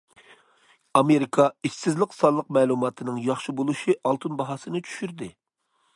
ئامېرىكا ئىشسىزلىق سانلىق مەلۇماتىنىڭ ياخشى بولۇشى ئالتۇن باھاسىنى چۈشۈردى.